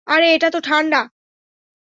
আরে, এটা তো ঠান্ডা!